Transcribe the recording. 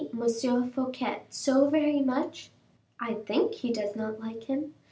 Fouquet so very much?" "I think he does not like him.